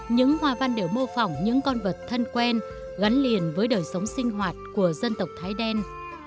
những hoa văn đều mô phỏng những con vật thân quen gắn liền với đời sống sinh hoạt của dân tộc thái đen